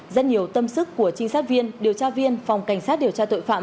rất nhiều tâm sức của trinh sát viên điều tra viên phòng cảnh sát điều tra tội phạm